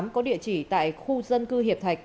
có địa chỉ tại khu dân cư hiệp thạch